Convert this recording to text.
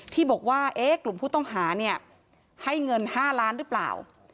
ที่บอกว่ากลุ่มผู้ต้องหาเนี่ยให้เงิน๕ล้านหรือเปล่า